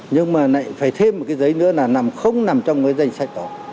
nhưng mà phải thêm một cái giấy nữa là không nằm trong cái danh sách đó